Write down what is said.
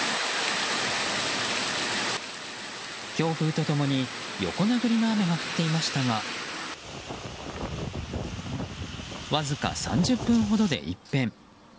強風と共に横殴りの雨が降っていましたがわずか３０分ほどで一変。